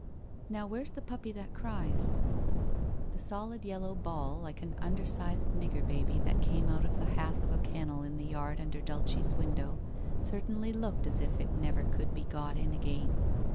' Now, where's the puppy that cries ?' The solid yellow ball, like an undersized nigger baby that came out of the half of a kennel in the yard under Dulce's window, certainly looked as if it never could be got in again.